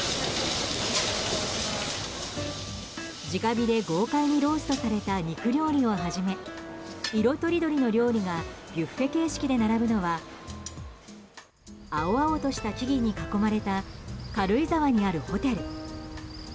直火で豪快にローストされた肉料理をはじめ色とりどりの料理がビュッフェ形式で並ぶのは青々とした木々に囲まれた軽井沢にあるホテル。